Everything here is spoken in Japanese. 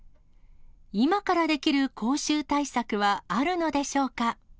今からできる口臭対策はあるのでしょうか。